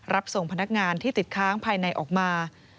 รับส่งพนักงานที่ติดค้างภายในออกมา